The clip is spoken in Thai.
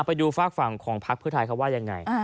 ไปดูฟากฝั่งของพลักษณ์พื้นไทยเขว่ายังไง